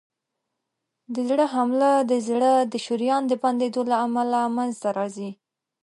د زړه حمله د زړه د شریان د بندېدو له امله منځته راځي.